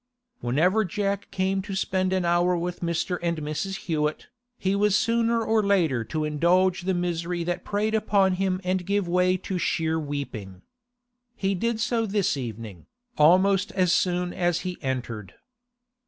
Whenever Jack came to spend an hour with Mr. and Mrs. Hewett, he was sure sooner or later to indulge the misery that preyed upon him and give way to sheer weeping. He did so this evening, almost as soon as he entered.